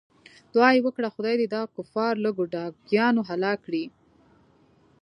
دعا یې وکړه خدای دې دا کفار له ګوډاګیانو هلاک کړي.